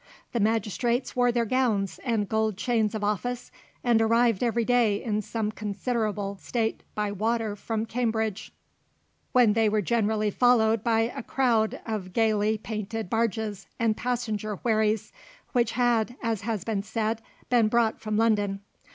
The magistrates wore their gowns and gold chains of office, and arrived every day in some considerable state by water from Cambridge, when they were generally followed by a crowd of gaily painted barges and passenger wherries, which had, as has been said, been brought from London.